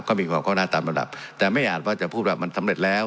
ก็มีความเข้าหน้าตามระดับแต่ไม่อาจว่าจะพูดว่ามันสำเร็จแล้ว